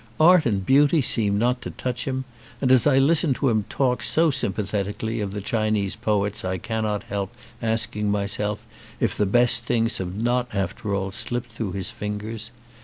Art and beauty seem not to touch him, and as I listen to him talk so sympathetically of the Chinese poets I cannot help asking myself if the best things have not after all slipped through his fingers.